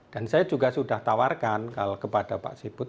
dan saya juga sudah tawarkan kalau kepada pak siput